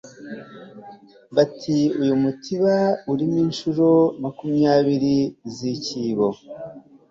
bati «uyu mutiba urimo inshuro makunyabiri z'icyibo»